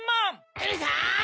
うるさい！